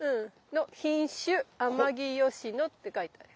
「の品種『天城吉野』」って書いてある。